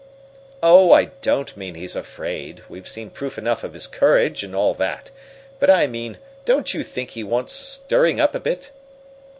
"Oh, I don't mean he's afraid. We've seen proof enough of his courage, and all that. But I mean don't you think he wants stirring up a bit?"